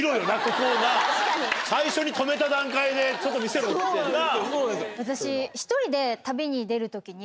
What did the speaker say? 最初に止めた段階でちょっと見せろってな。